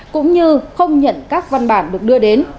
cũng như không nhận các văn bản được đưa đến